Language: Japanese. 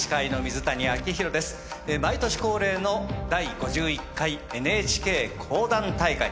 毎年恒例の第５１回ＮＨＫ講談大会。